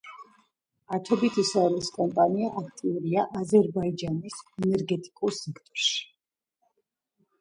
ათობით ისრაელის კომპანია აქტიურია აზერბაიჯანის ენერგეტიკულ სექტორში.